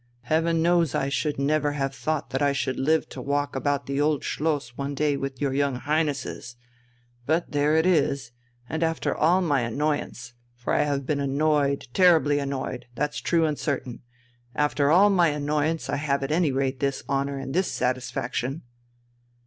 Heaven knows I should never have thought that I should live to walk about the Old Schloss one day with your young Highnesses. But there it is, and after all my annoyance for I have been annoyed, terribly annoyed, that's true and certain after all my annoyance I have at any rate this honour and this satisfaction."